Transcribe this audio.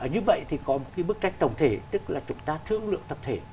như vậy thì có một cái bức tranh tổng thể tức là chúng ta thương lượng tập thể